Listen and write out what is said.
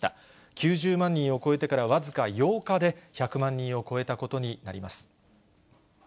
９０万人を超えてから僅か８日で１００万人を超えたことになります。